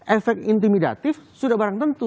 efek intimidatif sudah barang tentu